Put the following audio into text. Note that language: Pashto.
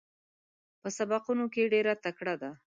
په سبقونو کې ډېره تکړه ده.